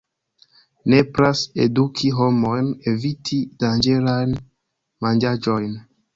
Nepras eduki homojn eviti danĝerajn manĝaĵojn.